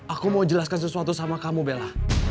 aku mau jelaskan sesuatu sama kamu bella